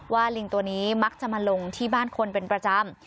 ลิงตัวนี้มักจะมาลงที่บ้านคนเป็นประจำ